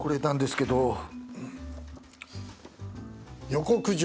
「予告状